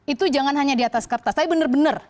itu jangan hanya di atas kertas tapi bener bener